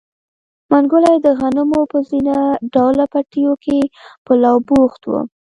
منګلی د غنمو په زينه ډوله پټيو کې په لو بوخت و.